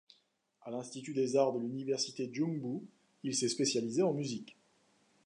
A l'Institut des Arts de l'Université Joongbu, il s'est spécialisé en musique.